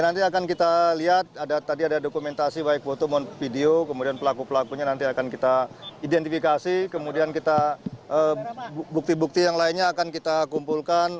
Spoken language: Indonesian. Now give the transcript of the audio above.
nanti akan kita lihat tadi ada dokumentasi baik foto maupun video kemudian pelaku pelakunya nanti akan kita identifikasi kemudian kita bukti bukti yang lainnya akan kita kumpulkan